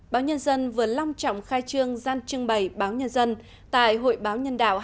báo nhân dân vừa long trọng khai trương gian trưng bày báo nhân dân tại hội báo nhân đạo hai nghìn một mươi sáu